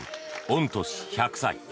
御年１００歳。